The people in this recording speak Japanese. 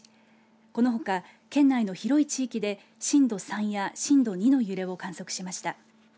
このほか、県内の広い地域で震度３や震度２の揺れを観測しました。